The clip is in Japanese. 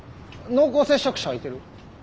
濃厚接触者はいてる？